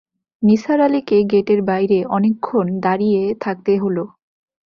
নিসার আলিকে গেটের বাইরে অনেকক্ষণ দাঁড়িয়ে থাকতে হল।